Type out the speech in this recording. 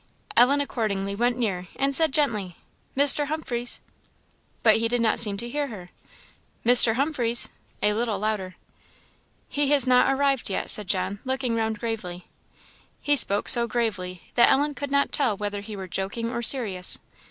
Ellen accordingly went near, and said, gently, "Mr. Humphreys!" but he did not seem to hear her. "Mr. Humphreys!" a little louder. "He has not arrived yet," said John, looking round gravely. He spoke so gravely, that Ellen could not tell whether he were joking or serious.